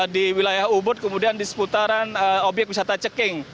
di wilayah ubud kemudian di seputaran obyek wisata ceking